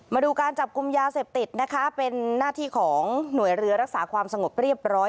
มาดูการจับกลุ่มยาเสพติดนะคะเป็นหน้าที่ของหน่วยเรือรักษาความสงบเรียบร้อย